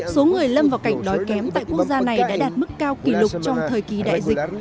số người lâm vào cảnh đói kém tại quốc gia này đã đạt mức cao kỷ lục trong thời kỳ đại dịch